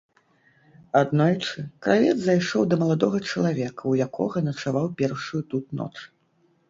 Аднойчы кравец зайшоў да маладога чалавека, у якога начаваў першую тут ноч.